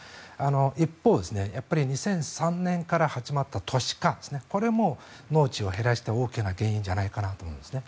一方、２００３年から始まった都市化これも農地を減らした大きな原因じゃないかと思うんですね。